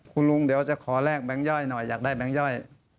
คุณลุงเดี๋ยวจะขอแลกแบงค์ย่อยหน่อยอยากได้แก๊งย่อย